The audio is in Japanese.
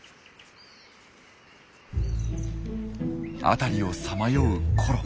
辺りをさまようコロ。